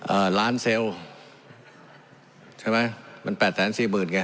ล้านเซลล์ใช่ไหมมันแปดแสนสี่หมื่นไง